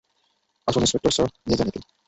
আসুন inspector sir, নিয়ে যান একে।